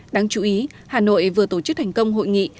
đáng chú ý hà nội vừa tổ chức thành công hội nghị hà nội hai nghìn hai mươi